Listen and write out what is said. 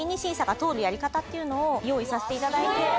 っていうのを用意させていただいて。